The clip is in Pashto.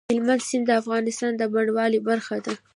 هلمند سیند د افغانستان د بڼوالۍ برخه ده.